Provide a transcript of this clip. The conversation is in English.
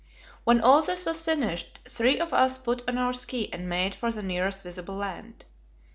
When all this was finished, three of us put on our ski and made for the nearest visible land.